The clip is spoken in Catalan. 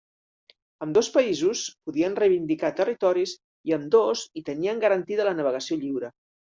Ambdós països podien reivindicar territoris i ambdós hi tenien garantida la navegació lliure.